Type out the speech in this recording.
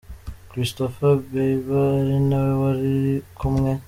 Christopher Bieber ari nawe wari kumwe.